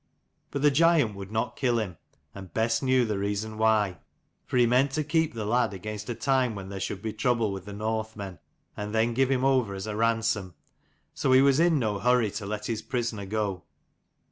But the giant would not kill him, and best knew the reason why. For he meant to keep the lad against no a time when there should be trouble with the Northmen, and then give him over as a ransom. So he was in no hurry to let his prisoner go.